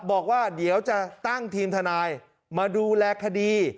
บอกว่าเดี๋ยวจะตั้งทีมทนายมาดูแลคดี